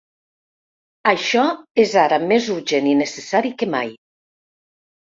Això és ara més urgent i necessari que mai.